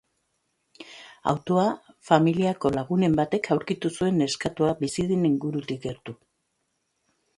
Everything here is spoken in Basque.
Autoa, familiako lagunen batek aurkitu zuen neskatoa bizi den ingurutik gertu.